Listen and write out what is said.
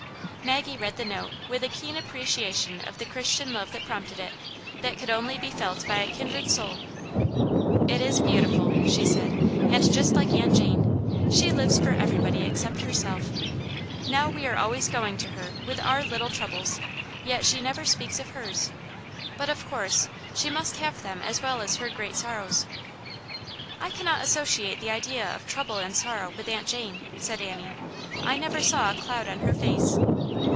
Maggie read the note with a keen appreciation of the Christian love that prompted it, that could only be felt by a kindred soul. "It is beautiful," she said, "and just like Aunt Jane. She lives for everybody except herself. Now we are always going to her with all our little Aunt Janets Hero. 231 troubles, yet she never speaks of hers? But, of course, she must have them as well as her great sorrows." " I cannot associate the idea of trouble and sorrow with Aunt Jane," said Annie. " I never saw a cloud on her face."